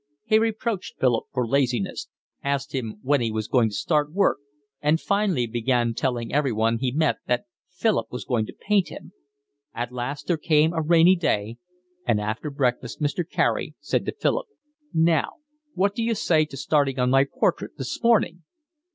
He reproached Philip for laziness, asked him when he was going to start work, and finally began telling everyone he met that Philip was going to paint him. At last there came a rainy day, and after breakfast Mr. Carey said to Philip: "Now, what d'you say to starting on my portrait this morning?"